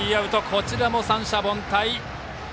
こちらも三者凡退。